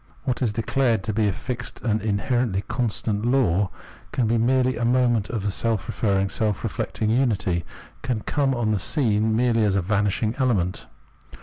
What is declared to be a fixed and inherently constant law can be merely a Observation of Self cmisciousness 289 moment of the self referring, self reflecting unity, can come on the scene merely as a vanishing element.